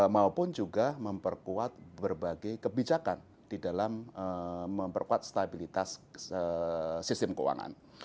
maupun juga memperkuat berbagai kebijakan di dalam memperkuat stabilitas sistem keuangan